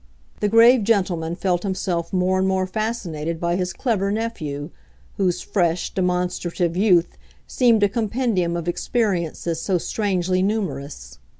The grave gentleman felt himself more and more fascinated by his clever nephew, whose fresh, demonstrative youth seemed a compendium of experiences so strangely numerous.